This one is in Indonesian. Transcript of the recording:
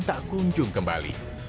tak kunjung kembali